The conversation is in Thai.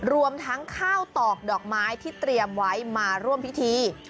รวมทั้งข้าวตอกดอกไม้ที่เตรียมไว้มาร่วมพิธี